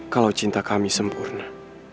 kalau cinta kami sempurna